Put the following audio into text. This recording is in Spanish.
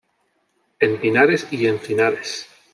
En pinares y encinares.